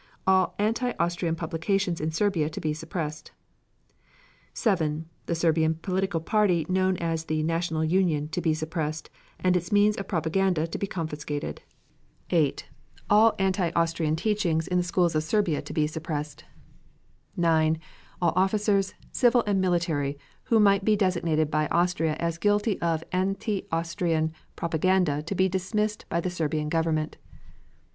All anti Austrian publications in Serbia to be suppressed. 7. The Serbian political party known as the "National Union" to be suppressed, and its means of propaganda to be confiscated. 8. All anti Austrian teaching in the schools of Serbia to be suppressed. 9. All officers, civil and military, who might be designated by Austria as guilty of anti Austrian propaganda to be dismissed by the Serbian Government.